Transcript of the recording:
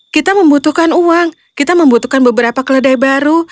kita membutuhkan uang kita membutuhkan beberapa keledai baru